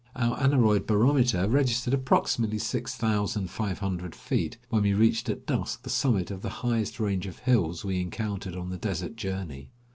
Our aneroid barometer registered approximately six thousand five hundred feet, when we reached at dusk the summit of the highest range of hills we encountered on the desert journey.